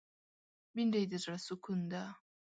بېنډۍ د زړه سکون ده